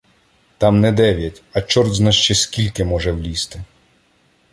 Там не дев'ять, а чорт-зна ще скільки може влізти.